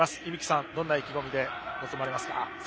依吹さん、どんな意気込みで臨まれますか？